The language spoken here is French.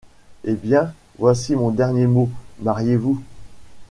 Eh ! bien, voici mon dernier mot : mariez-vous.